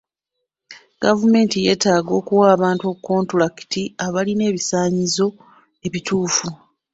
Gavumenti yeetaaga okuwa abantu kontulakiti abalina ebisaanyizo ebituufu.